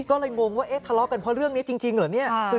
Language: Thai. ก็เลยงงว่าทะเลาะกันเพราะเรื่องนี้จริงหรือ